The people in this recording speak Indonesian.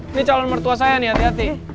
ini calon mertua saya nih hati hati